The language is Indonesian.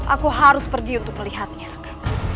aku harus pergi untuk melihatnya kak